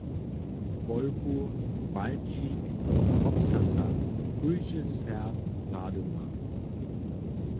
Polku, walčik, hopsasa - kóždy serb rady ma.